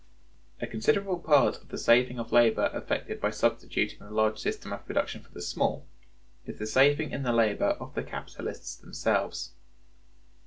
A considerable part of the saving of labor effected by substituting the large system of production for the small, is the saving in the labor of the capitalists themselves.